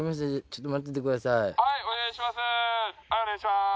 「はーいお願いします！